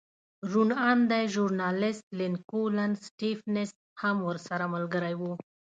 روڼ اندی ژورنالېست لینکولن سټېفنس هم ورسره ملګری و